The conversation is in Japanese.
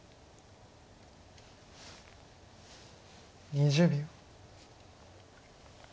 ２０秒。